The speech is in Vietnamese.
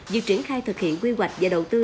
việc triển khai thực hiện quy hoạch và đầu tư